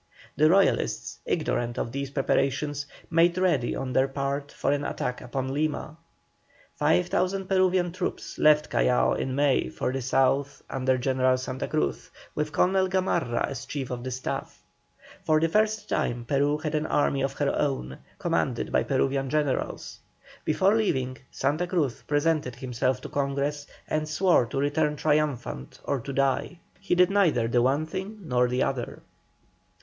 The Royalists, ignorant of these preparations, made ready on their part for an attack upon Lima. Five thousand Peruvian troops left Callao in May for the South under General Santa Cruz, with Colonel Gamarra as chief of the staff. For the first time Peru had an army of her own, commanded by Peruvian generals. Before leaving, Santa Cruz presented himself to Congress and swore to return triumphant or to die. He did neither the one thing nor the other.